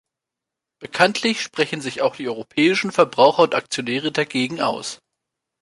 Bekanntlich sprechen sich auch die europäischen Verbraucher und Aktionäre dagegen aus.